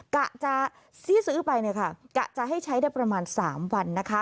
กะจะซี่ซื้อไปกะจะให้ใช้ได้ประมาณ๓วัน